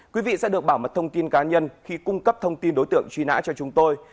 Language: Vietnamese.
quý vị sẽ được bảo mật thông tin cá nhân khi cung cấp thông tin đối tượng truy nã cho chúng tôi